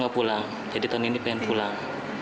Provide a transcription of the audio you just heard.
mau pulang jadi tahun ini pengen pulang